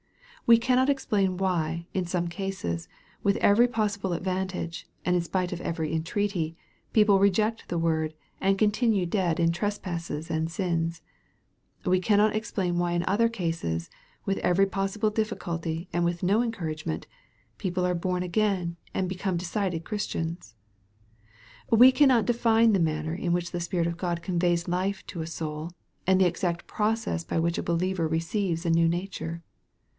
We cannot explain why, in some cases with every possible advantage, and in spite of every entreaty people reject the word, and continue dead in trespasses and sins. We cannot explain why in other cases with every possible difficulty, and with no encouragement people are born again, and be come decided Christians. We cannot define the manner in which the Spirit of God conveys life to a soul, and the exact process by which a believer receives a new nature.